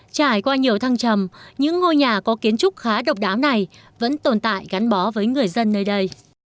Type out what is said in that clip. trải qua nhiều thăng trầm những ngôi nhà có kiến trúc khá độc đáo này vẫn tồn tại gắn bó với người dân nơi đây